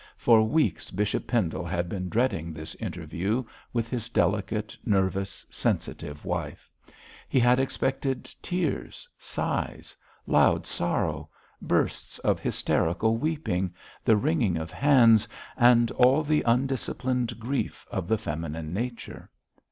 For weeks Bishop Pendle had been dreading this interview with his delicate, nervous, sensitive wife. He had expected tears, sighs, loud sorrow, bursts of hysterical weeping, the wringing of hands, and all the undisciplined grief of the feminine nature.